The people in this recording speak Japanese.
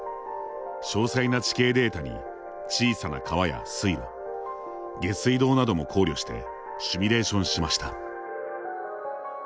詳細な地形データに小さな川や水路下水道なども考慮してシミュレーションしました。